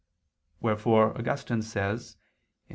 Wherefore Augustine says (QQ.